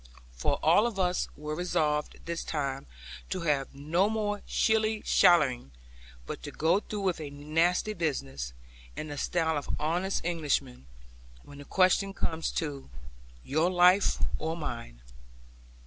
For all of us were resolved this time to have no more shilly shallying; but to go through with a nasty business, in the style of honest Englishmen, when the question comes to 'Your life or mine.'